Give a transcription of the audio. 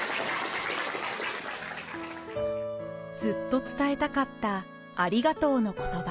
ずっと伝えたかったありがとうの言葉。